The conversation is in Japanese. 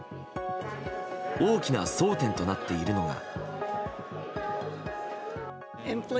大きな争点となっているのが。